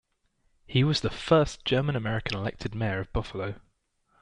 He was the first German-American elected mayor of Buffalo.